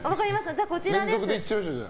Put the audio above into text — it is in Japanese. じゃあ、こちらです。